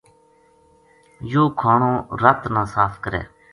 یوہ کھانو رَت نا صاف کرے